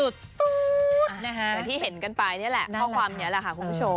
อย่างที่เห็นกันไปนี่แหละข้อความนี้แหละค่ะคุณผู้ชม